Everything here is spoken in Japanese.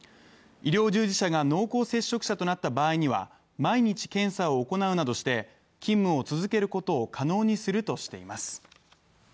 医療従事者が濃厚接触者となった場合には、毎日検査を行うなどして勤務を続けることを可能にするとしています。